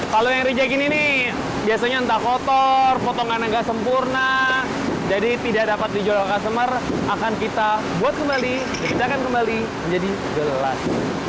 kalau yang rejeki ini biasanya entah kotor potongannya nggak sempurna jadi tidak dapat dijual oleh customer akan kita buat kembali dan kita akan kembali menjadi gelas